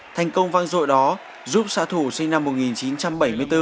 thành công vang dội đó giúp xã thủ sinh năm một nghìn chín trăm bảy mươi bốn